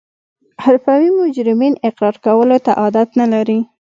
حرفوي مجرمین اقرار کولو ته عادت نلري